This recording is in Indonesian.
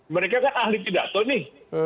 mereka kan ahli pidato nih